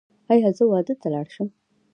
ایا زه واده ته لاړ شم؟